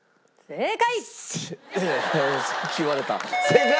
正解！